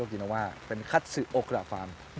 คุณต้องเป็นผู้งาน